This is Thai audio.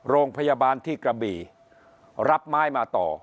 โรงพยาบาลที่กระบี่รับไม้มาต่อ